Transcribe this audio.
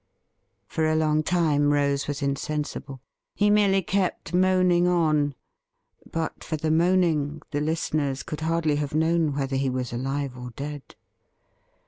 For a long time Rose was insensible. He merely kept moaning on; but for the moaning, the listeners could hardly have known whether he was alive or dead.